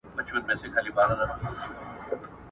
پانګونه به زياتېږي او عوايد به لوړ سي.